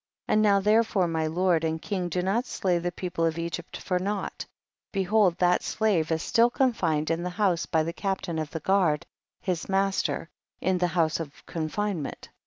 37. And now therefore my lord and king do not slay the people of Egypt for naught ; behold that slave is still confined in the house by the captain of the guard his master, in the house of confinement.